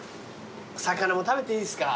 魚も食べていいですか？